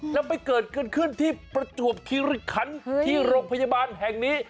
แล้วไปเกิดขึ้นที่ประจวบคิริคันที่โรงพยาบาลแห่งนี้